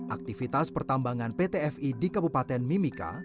aktivitas pertambangan pt fi di kabupaten mimika